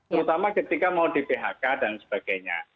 terutama ketika mau di phk dan sebagainya